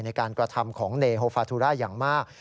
ในการกระทำของเนโฮฟาทุราอย่างมาก